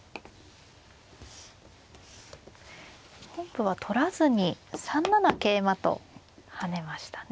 本譜は取らずに３七桂馬と跳ねましたね。